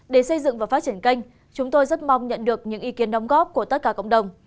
để xây dựng và phát triển kênh chúng tôi rất mong nhận được những ý kiến đóng góp của tất cả cộng đồng